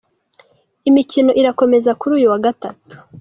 Imikino irakomeza kuri uyu wa Gatatu.